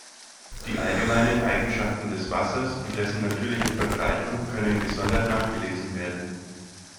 Die allgemeinen Eigenschaften des Wassers und dessen natürliche Verbreitung können gesondert nachgelesen werden.